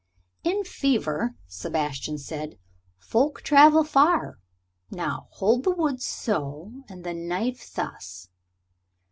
"In fever," Sebastian said, "folk travel far. Now, hold the wood so, and the knife thus."